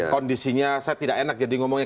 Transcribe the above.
kondisinya saya tidak enak jadi ngomongin